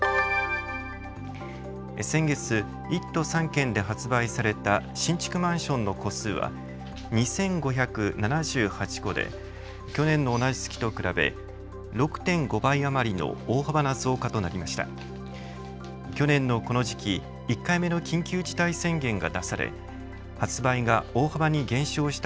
先月、１都３県で発売された新築マンションの戸数は２５７８戸で去年の同じ月と比べ６．５倍余りの大幅な増加となりました。